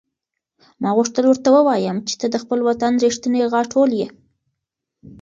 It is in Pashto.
ما غوښتل ورته ووایم چې ته د خپل وطن رښتینې غاټول یې.